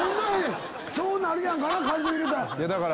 そうなるやんかな感情入れたら。